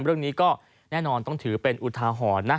เรื่องนี้ก็แน่นอนต้องถือเป็นอุทาหรณ์นะ